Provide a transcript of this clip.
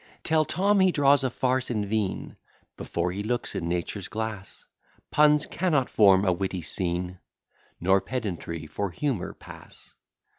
Tell Tom, he draws a farce in vain, Before he looks in nature's glass; Puns cannot form a witty scene, Nor pedantry for humour pass.